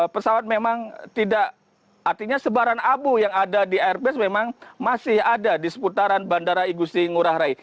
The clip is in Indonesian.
pesawat memang tidak artinya sebaran abu yang ada di airbus memang masih ada di seputaran bandara igusti ngurah rai